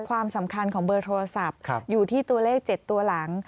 ความสำคัญของเบอร์โทรศัพท์อยู่ที่ตัวเลข๗ตัวหลัง